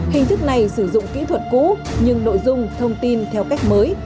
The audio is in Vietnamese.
hình thức này sử dụng kỹ thuật cũ nhưng nội dung thông tin theo cách mới